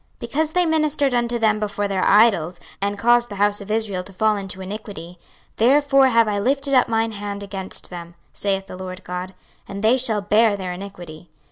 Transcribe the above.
26:044:012 Because they ministered unto them before their idols, and caused the house of Israel to fall into iniquity; therefore have I lifted up mine hand against them, saith the Lord GOD, and they shall bear their iniquity.